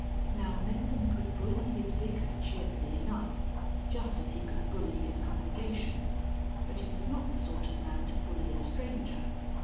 Now Mendham could bully his Vicar cheerfully enough, just as he could bully his congregation; but he was not the sort of man to bully a stranger.